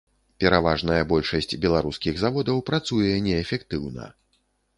Пераважная большасць беларускіх заводаў працуе неэфектыўна.